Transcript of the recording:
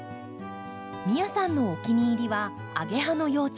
美耶さんのお気に入りはアゲハの幼虫。